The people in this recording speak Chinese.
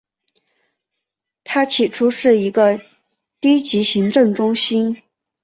它起初是一个低级行政中心。